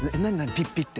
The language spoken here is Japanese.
「ピッピッ」て？